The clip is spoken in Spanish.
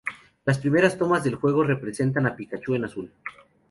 Las primeras tomas del juego representan a Pikachu en azul.